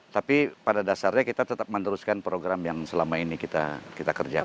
tapi pada dasarnya kita tetap meneruskan program yang selama ini kita kerjakan